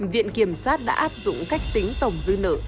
viện kiểm sát đã áp dụng cách tính tổng dư nợ